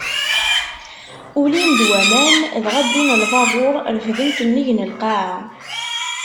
Ulin-d waman, dɣa wwin lbabuṛ, refden-t nnig n lqaɛa.